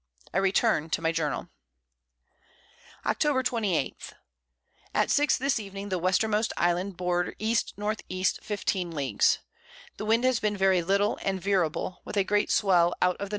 I return to my Journal. Octob. 28. At 6 this Evening the Westermost Island bore E.N.E. 15 Leagues. The Wind has been very little, and veerable, with a great Swell out of the N.